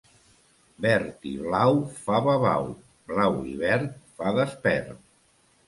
Verd i blau fa babau; blau i verd fa despert.